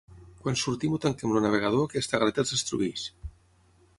Quan sortim o tanquem el navegador aquesta galeta es destrueix.